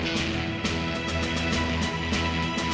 ketika aria mengejutkan dewa